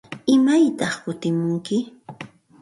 ¿Imaytaq kutimunki?